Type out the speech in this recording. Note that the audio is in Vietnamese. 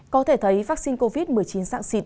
có thể thấy vaccine covid một mươi chín dạng xịt